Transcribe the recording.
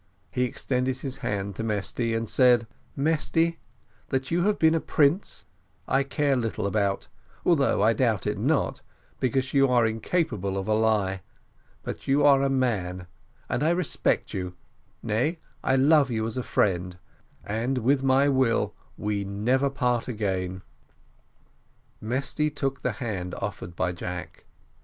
He extended his hand to Mesty, and said: "Mesty that you have been a prince, I care little about, although I doubt it not, because you are incapable of a lie; but you are a man, and I respect you, nay, I love you as a friend and with my will we never part again." Mesty took the hand offered by Jack.